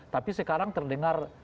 tapi sekarang terdengar